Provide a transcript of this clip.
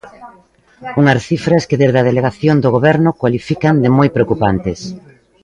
Unhas cifras que desde a Delegación do goberno cualifican de moi preocupantes.